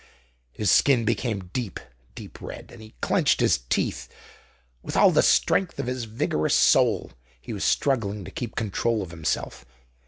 His skin became deep, deep red, and he clenched his teeth. With all the strength of his vigorous soul he was struggling to keep control of himself.